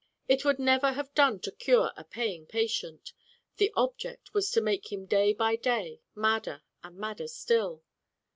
It would never have done to cure a paying patient. The object was to make him day by day madder and madder still.